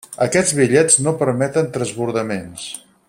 Aquests bitllets no permeten transbordaments.